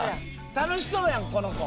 楽しそうやんこの子。